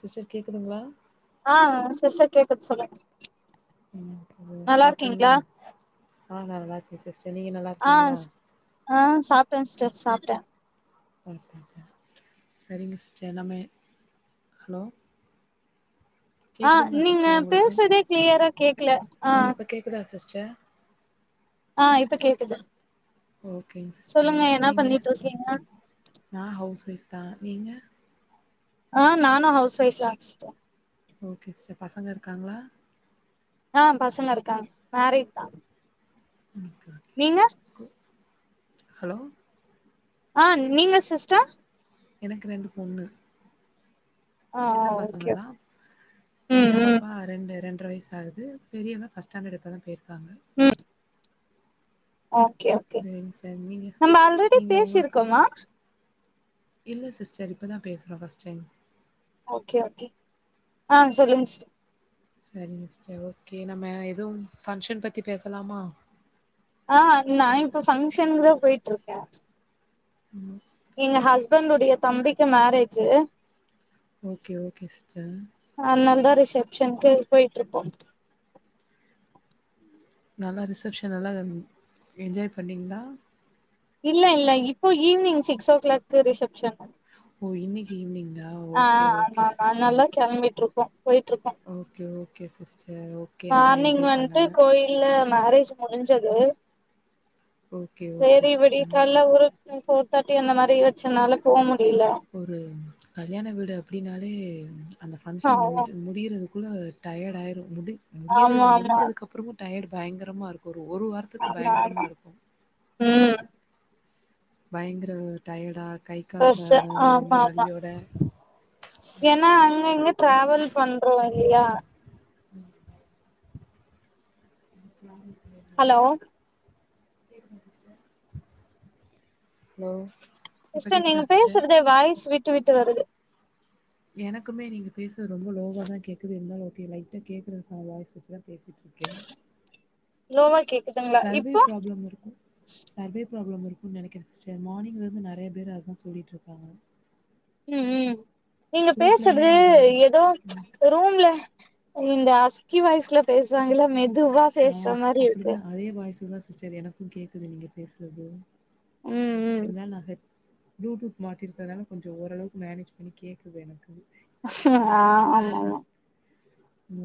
Sister கேக்குதுங்களா ஆ sister கேக்குது சொல்லுங்க உம் [unintelligible] நல்லா சாப்டிங்களா இருக்கீங்களா ஆ நா நல்லாருக்கே சிஸ்டர் நீங்க ஆ நல்லாருக்கீங்களா சாப்டே அ சரி சரி சரிங்க சிஸ்டர் நம்ம ஹலோ அ கேக்குதுங்களா நீங்க சிஸ்டர் உங்களுக்கு பேசுறதே க்கிளியரா கேக்கல அஹ் ட ஆ இப்ப கேக்குது ஓகேங் சிஸ்டர் சொல்லுங்க என்ன நீங்க பண்ணிட்டு இருக்கீங்க நா ஹவுஸ் ஒய்ஃப் தா நீங்க ஆஹ் நானு ஹவுஸ் ஒய்ஃப் தா சிஸ்டர் ஓகே சிஸ்டர் பசங்கருக்காங்களா அஹ் பசங்க இருக்காங்க மேரீட் தா ஓகே ஓகே நீங்க ஸ்கூ ஹலோ அ நீங்க சிஸ்டர் எனக்கு ரெண்டு பொண்ணு ஆ சின்ன பசங்க ஓகே தா ம் சின்ன ம் பாப்பா ரெண்டு ரெண் டர வயஸாகுது பெரியவ ஃபர்ஸ்ட் ஸ்டாண்டட் இப்பதா போயிர் க்காங்க ஓக்கே ஓக்கே சரிங்க சார் நீங்க நம்ம ஆல்ரெடி நீங்க உங்களுக்கு பேசிருக்கோமா இல்ல சிஸ்டர் இப்பதா பேசுறோ ஃபர்ஸ்ட் டைம் ஓகே ஓகே ஆ சொல்லுங்க சிஸ்டர் சரிங் சிஸ்டர் ஓகே நம்ம எதுவு பங்ஷன் பத்தி பேசலாமா ஆ நா இப்ப ஃபங்ஷனுக்குதா போயிட்ருக்க ம் எங்க ஹஸ்பண்ட்டொடைய தம்பிக்கு மேரேஜு ஓகே ஓகே சிஸ்டர் ரிசப்ஷன்க்கு போய்ட்ருக்கோ நல்லா ரிசப்ஷன் எல்லா ம் என்ஜாய் பண்ணிங்ளா இல்ல இல்ல இப்போ evening six o'clock reception ஓ இன்னைக்கு ஈவினிங்கா ஓகே ஓகே சிஸ்டர் கோ okay okay sis morning வந்ட்டு கோயில்ல மேரேஜ் முடிஞ்சது ஓகே, ஓகே சேரி சிஸ்டர். விடியக்காலல ஊருக் ஃபோர் தேர்ட்டி அந்த மாரி எந்ச்சனாலும் ஒரு கல்யாண வீடு அப்படின்னாலே அந்த பங்க்ஷன் மு ஆமா முடியறது குள்ள டயர்டு ஆயிரு முடி முடியிறது ஆமா ஆமா முடிஞ்சதுக்கு அப்பறமு டயர்ட் பயங்கரமாக இருக்கு ஒரு ஒரு வாரத்துக்கு ஆமா பயங்கரமா ஆமா இருக்கு ம் பயங்கர டயடா கை கால் வ பஸ்ஸு எல்லா ரொம்ப வலியோட ஏனா அங்க இங்கயு ட்ராவல் பண்றோ இல்லையா ஹலோ ஹலோ இப்ப சிஸ்டர் கேக்குதா நீங்க சிஸ்டர் பேசறதே வாய்ஸ் விட் டு விட்டு வருது எனக்குமே நீங்க பேசுறது ரொம்ப லோவாதா கேக்குது இருந்தாலு ஓகே லைட்டா கேக்குற ச வாய்ஸ வெச்சுதா பேசிட்ருக்கே லோவா கேக்குதுங்ளா சர்வே இப்போ க்குன் நெனைக்கிற சிஸ்டர் மார்னிங்ல இருந்து நெறையா பேரு அதா சொல்லிட்டு இருக்காங்க ம் ம் நீங்க பேசுறது அந்த ஏதோ ம் ரூம்ல இந்த அஸ்கி வாய்சுல பேசுவாங்கல்ல மெ துவா பேசுற மாரி இருக்கு டிதா சிஸ்டர் எனக்கு கேக்குது நீங்க பேசுறது ம் ம் இத்தா நா ஹெ ப்ளூடூத் மாட்டி இருக்கறனால கொஞ்சொ ஓரளவுக்கு மேனேஜ் பண்ணி கேக்குது எனக்கு ஆ ஆமா ஆமா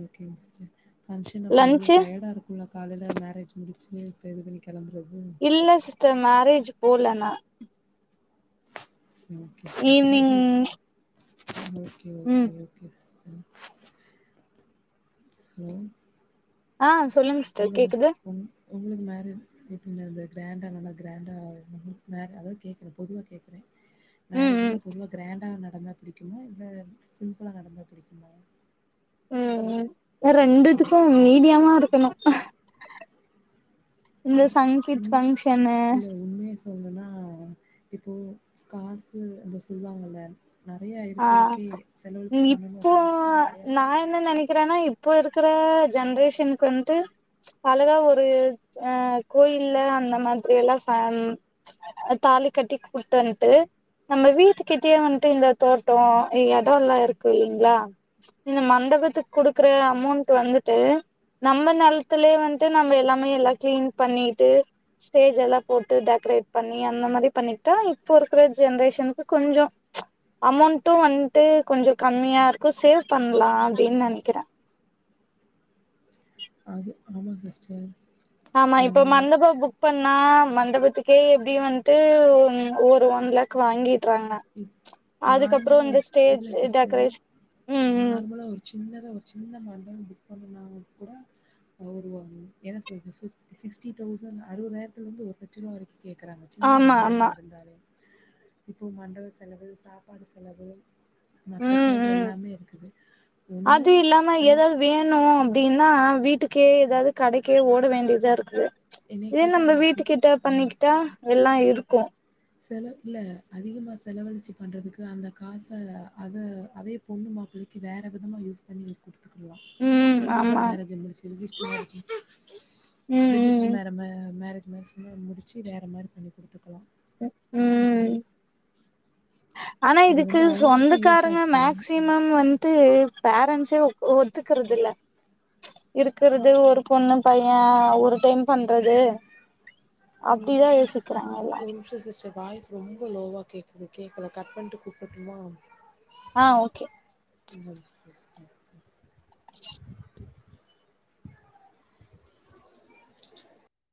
ஓகேங் சிஸ்டர் பங்ஷன் அப்ப உங்களுக்கு லன்ச்சு டயர்டா இருக்குல காலையில மேரேஜ் முடிச்சு இப்ப இது பண்ணிக் இல்ல சிஸ்டர் மேரேஜ் போலனா ஓகே அப்போ [inaudible] ஈவினிங் [inaudible] ஓகே ஓகே ம் ஓகே சிஸ் ம் உம் ஆஹ் ச் உங்க மே உ உங்களுக்கு மேரே எப்டி நடந்த கிராண்டா நல்லா கிராண்டா ன் நா அதா கேக்குறே பொதுவா கேக்குறே ம் மேரேஜ்ல்லா ம் பொதுவா கிராண்டா ந நடந்தா பிடிக்குமா இல்ல சிம்பிளா நடந்தா பிடிக்குமா உஹ் உம் ரெண்டுதுக்கு மீடியமா இருக்கணு அஹ் அஹ் உன் இல்ல உண்மைய சொல்னோன்னா இப்போ காசு அத சொல்லுவாங்கல்ல ஆஹ் பண்ணணு இப்போ அப்டின்னு நெனச்சா நெறையா நா பண்ணலா என்ன நெனைக்குறேன்னா, இப்போ இருக் குற ஜென்ரேஷனுக்கு வந்ட்டு அழகா ஒரு அஹ் கோயில்ல அந்த மாதிரி எல்லா, ஃபாம் அ தாலி கட்டி கூட்டி வந்ட்டு நம்ம வீட்டுக்கிட்டயே வந்ட்டு இந்த தோட்டோ இ இடொல்லா இருக்கு இல்லைங்க்ளா, இந்த மண்டபத்துக்கு குடுக்குற அமௌண்ட் வந்துட்டு நம்ம நெலத்துலயே வந்ட்டு நம்ம எல்லாமே எல்லா கிளீன் பண்ணிட்டு ஸ்டேஜ் எல்லாமக்ஷ போட்டு டெக்கரேட் பண்ணி அந்த மாரி பண்ணிக்டா இப்போ இருக்குற ஜென்ரேஷன்க்கு கொஞ்சொ அமௌண்ட்டு வந்ட்டு கொஞ்சொ கம்மியா இருக்கு சேவ் பண்லா அப்டின்னு நெனைக்கிறே அது ஆமா சிஸ்டர் ஆமா நா இப்ப மண்டபோ புக் பண் னா மண்டபத்துக்கே எப்டி வந்ட்டு ஒரு ஒன் லேக் வாங்கிக் ம் நார்மலா, ஒரு ஸ்டேஜ் இல்ல சிஸ்டர் டெக்கரேஷன் ம் ம் நார்மலா ஒரு சின்னதா ஒரு சின்ன மாண்டபோ புக் பண்ண இல்லாதவங்க கூட அ வருவாங்க, என்ன சொல்றிங்க சிக்ஸ்டி தௌசன் அறுவதாயிரத்தில இருந்து ஒரு லட்ச ரூபா வரைக்கு கேக்குறாங்க சின்ன ஆமா மண்டபமா ஆமா இருந்தாலே இப்போ மண் வரவு செலவு, சாப்பாடு செலவு மத்த ம் செலவு ம் எல்லாமே இருக்குது ஒண்ணு அது இல்லாம அது ஏதாவது வேணு அப்டின்னா வீட்டுக்கே ஏதாவது கடைக்கே ஓட வேண்டியதா இருக்கு என்னைய இதே கேட்டா நம்ம வீட்டு அப்டி கிட்ட ஆமா. பண்ணிக்கிட்டா, எல்லா இரு இருக்கு செலவு இல்ல, அதிகமா செலவழிச்சி பண்றதுக்கு அந்த காச, அத அதே பொண்ணு மாப்பிள்ளைக்கு, வேற விதமா யூஸ் பண்ணி குடு க்கலா, ம் சிம்பிளா ஆமா மேரேஜ முடிச் ரிஜிஸ்ட் மேரேஜ் ம் ரிஜிஸ்ட் ம் மேர ம மேரேஜ் மாரி சும்மா முடிச்சு வேற மாரி பண்ணி கொடுத்துக்கலா உம். ஆனா அது இதுக்கு வந்து அவங்களுக்கு யூஸா சொந்தக்காரங்க இருக்கணு மேக்சிமம் வந்து ட்டு பேரன்ஸ்சு ஒ ஒத்துக்குறதுல்ல இருக்குறது ஒரு பொண்ணு பைய ஒரு டைம் பண்றது அப்டிதா யோசிப் இருக்குறாங்க எல்லா ஒரு நிமிஷோ சிஸ்டர் வாய்ஸ் ரொம்ப லோவா கேக்குது கேக்கல கட் பண்ணிட்டு கூப்பட்டும்மா ஆ ஓகே [unintelligible]